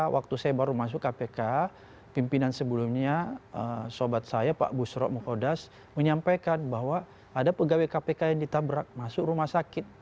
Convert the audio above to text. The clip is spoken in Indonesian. waktu saya baru masuk kpk pimpinan sebelumnya sobat saya pak busro mukhodas menyampaikan bahwa ada pegawai kpk yang ditabrak masuk rumah sakit